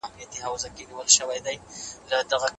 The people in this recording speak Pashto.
تیر وخت نشي راګرځیدلی.